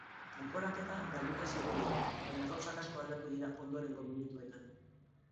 Kanporaketa galduta zirudien, baina gauzak asko aldatu dira ondorengo minutuetan.